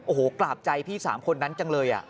โอ้โหกราบใจพี่๓คนนั้นจังเลย